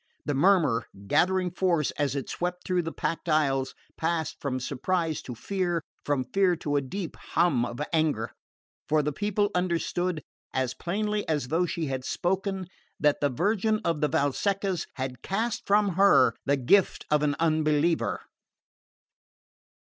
The murmur, gathering force as it swept through the packed aisles, passed from surprise to fear, from fear to a deep hum of anger; for the people understood, as plainly as though she had spoken, that the Virgin of the Valseccas had cast from her the gift of an unbeliever...